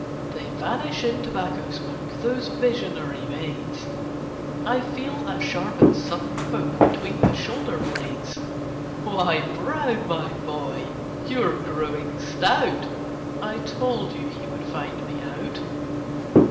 They vanish in tobacco smoke, Those visionary maids— I feel a sharp and sudden poke Between the shoulder blades— "Why, Brown, my boy! Your growing stout!" (I told you he would find me out!)